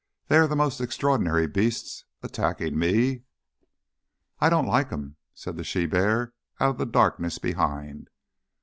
"They are the most extraordinary beasts. Attacking me!" "I don't like them," said the she bear, out of the darkness behind.